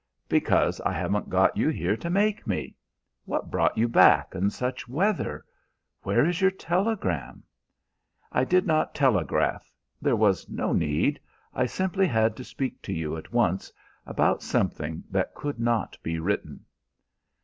"Because I haven't got you here to make me. What brought you back in such weather? Where is your telegram?" "I did not telegraph. There was no need. I simply had to speak to you at once about something that could not be written."